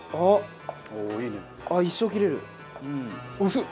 薄っ！